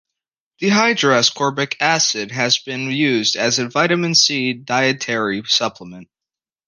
Dehydroascorbic acid has been used as a vitamin C dietary supplement.